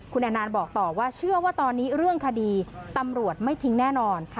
คุณแอนนานบอกต่อว่าเชื่อว่าตอนนี้เรื่องคดีตำรวจไม่ทิ้งแน่นอน